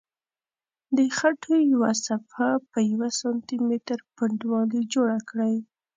د خټو یوه صفحه په یوه سانتي متر پنډوالي جوړه کړئ.